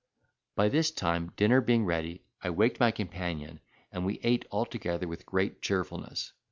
By this time dinner being ready, I waked my companion, and we ate altogether with great cheerfulness.